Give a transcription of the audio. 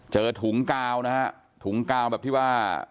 เจอถุงกาวนะฮะถุงกาวแบบที่ว่า